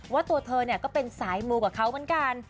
ว่าตัวเธอก็เป็นสายมูกับเขาเหมือนกัน